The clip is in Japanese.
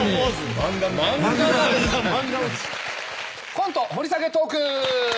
コント掘り下げトーク。